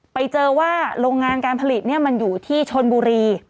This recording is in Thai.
ไปเจอว่าโรงงานการผลิตมันอยู่ที่ชนบุรี